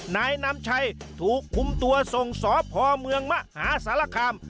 นายนำชัยถูกคุมตัวส่งสพเมืองมหาสารคาม